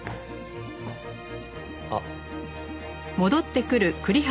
あっ。